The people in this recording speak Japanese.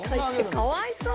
かわいそう。